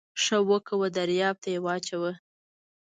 ښه وکه و درياب ته يې واچوه.